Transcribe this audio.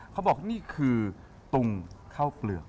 เขาบอกนี่คือตุงข้าวเปลือก